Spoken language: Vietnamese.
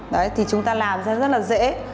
đấy thì chúng ta làm sẽ rất là dễ